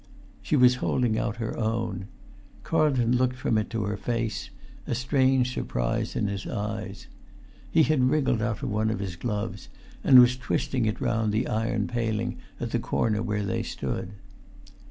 She was holding out her own. Carlton looked from it to her face, a strange surprise in his eyes. He had wriggled out of one of his gloves, and was twisting it round the iron paling at the corner where they stood.